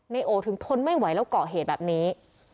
โอถึงทนไม่ไหวแล้วเกาะเหตุแบบนี้